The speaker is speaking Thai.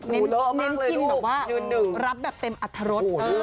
เฮลอมากเลยมันกินแบบว่ารับเต็มอัตรรส